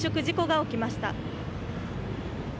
事故が起きました。